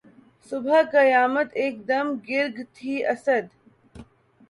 صبح قیامت ایک دم گرگ تھی اسدؔ